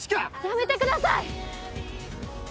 やめてください！